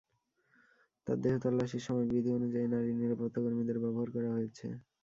তাঁর দেহ তল্লাশির সময় বিধি অনুযায়ী নারী নিরাপত্তা কর্মীদের ব্যবহার করা হয়েছে।